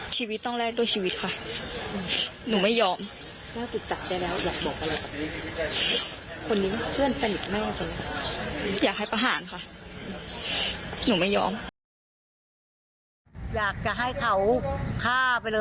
ที่วัดนี่หรอที่วัดนี่ลูกอ๋อยอมให้เข้ามาขมา